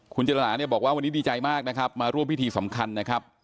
คุณเจรนาเนี่ยบอกว่าวันนี้ดีใจมากนะครับมาร่วมพิธีสำคัญนะครับ